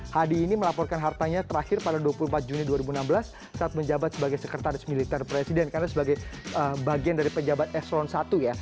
hadi ini melaporkan hartanya terakhir pada dua puluh empat juni dua ribu enam belas saat menjabat sebagai sekretaris militer presiden karena sebagai bagian dari pejabat eselon i ya